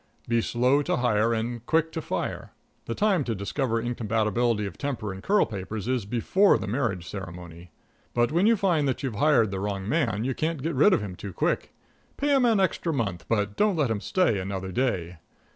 Be slow to hire and quick to fire. The time to discover incompatibility of temper and curl papers is before the marriage ceremony. But when you find that you've hired the wrong man, you can't get rid of him too quick. Pay him an extra month, but don't let him stay another day.